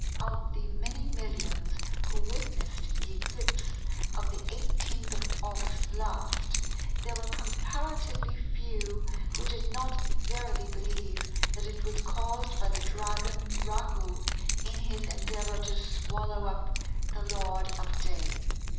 Of the many millions who witnessed the eclipse of the 18th of August last there were comparatively few who did not verily believe that it was caused by the dragon Rahu in his endeavour to swallow up the Lord of Day....